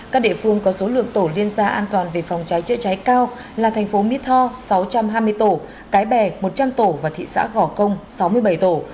các địa phương có số lượng tổ liên gia an toàn về phòng cháy chữa cháy cao là thành phố mỹ tho sáu trăm hai mươi tổ cái bè một trăm linh tổ và thị xã gò công sáu mươi bảy tổ